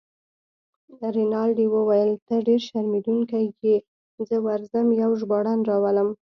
رینالډي وویل: ته ډیر شرمېدونکی يې، زه ورځم یو ژباړن راولم.